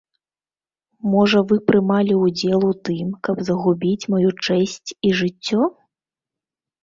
Можа, вы прымалі ўдзел у тым, каб загубіць маю чэсць і жыццё?